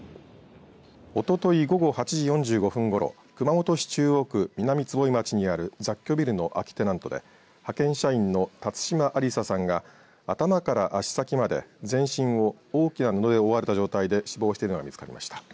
おととい午後８時４５分ごろ熊本市中央区南坪井町にある雑居ビルの空きテナントで派遣社員の辰島ありささんが頭から足先まで全身を大きな布で覆われた状態で死亡しているのが見つかりました。